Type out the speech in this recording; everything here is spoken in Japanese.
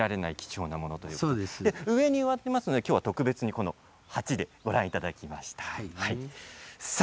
上に植わっていますがきょうは特別に鉢でご覧いただきました。